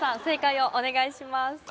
正解をお願いします